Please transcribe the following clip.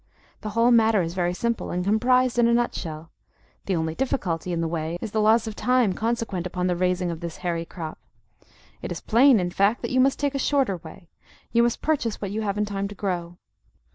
The whole matter is very simple, and comprised in a nut shell. The only difficulty in the way is the loss of time consequent upon the raising of this hairy crop. It is plain, in fact, that you must take a shorter way; you must purchase what you haven't time to grow.